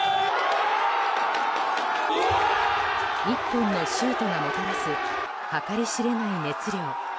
１本のシュートがもたらす計り知れない熱量。